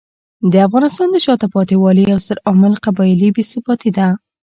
د افغانستان د شاته پاتې والي یو ستر عامل قبایلي بې ثباتي دی.